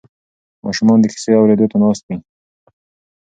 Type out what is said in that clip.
ماشومان د کیسې اورېدو ته ناست ول.